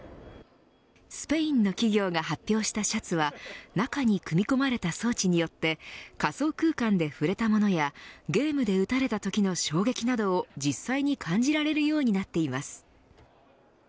スペインの企業が発表したシャツは中に組み込まれた装置によって仮想空間で触れたものやゲームで撃たれたときの衝撃などを実際に感じられるようになっています。